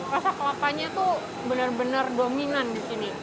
rasa kelapanya tuh benar benar dominan di sini